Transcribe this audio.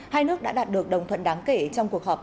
hai nước đã đạt được đồng thuận đáng kể trong cuộc họp